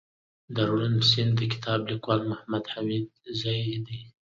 دروڼ سيند دکتاب ليکوال محمودحميدزى دئ